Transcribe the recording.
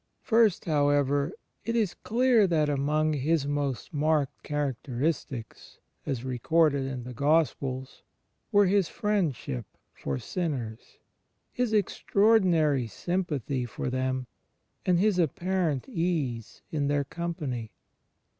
First, however, it is dear that among His most marked characteristics, as recorded in the Gospels, were His Friendship for sinners. His extraordmary sym pathy for them, and His apparent ease in their com pany.